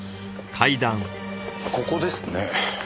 ここですね。